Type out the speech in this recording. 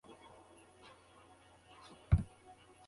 Besides stage roles she acted also in films.